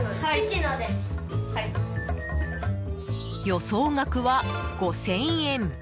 予想額は５０００円。